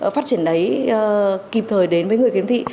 phát triển đấy kịp thời đến với người khiếm thị